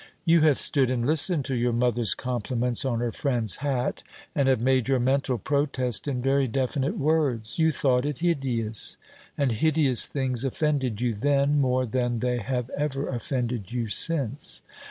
You have stood and listened to your mother's compliments on her friend's hat, and have made your mental protest in very definite words. You thought it hideous, and hideous things offended you then more than they have ever offended you since.